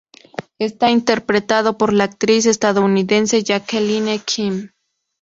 Está interpretado por la actriz estadounidense Jacqueline Kim.